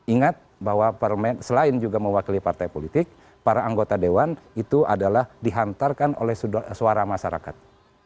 ingat bahwa selain juga mewakili partai politik para anggota dewan itu adalah dihantarkan oleh suara masyarakat